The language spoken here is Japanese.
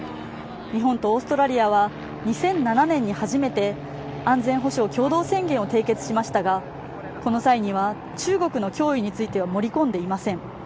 日本とオーストラリアは２００７年に初めて安全保障共同宣言を締結しましたがこの際には中国の脅威については盛り込んでいません